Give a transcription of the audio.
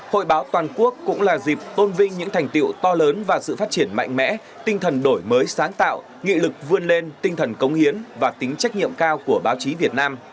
hội báo toàn quốc cũng là dịp tôn vinh những thành tiệu to lớn và sự phát triển mạnh mẽ tinh thần đổi mới sáng tạo nghị lực vươn lên tinh thần cống hiến và tính trách nhiệm cao của báo chí việt nam